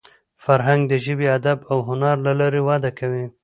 فرهنګ د ژبي، ادب او هنر له لاري وده کوي.